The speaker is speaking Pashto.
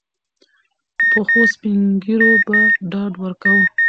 پخوسپین ږیرو به ډاډ ورکاوه.